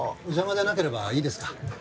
お邪魔じゃなければいいですか？